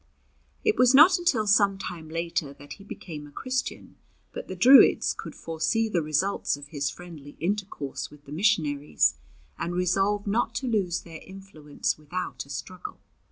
It was not until some time later that he became a Christian, but the Druids could foresee the results of his friendly intercourse with the missionaries, and resolved not to lose their influence without a struggle.